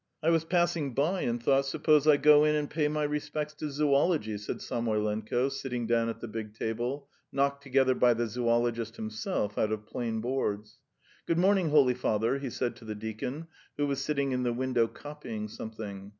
"I was passing by and thought: 'Suppose I go in and pay my respects to zoology,'" said Samoylenko, sitting down at the big table, knocked together by the zoologist himself out of plain boards. "Good morning, holy father," he said to the deacon, who was sitting in the window, copying something.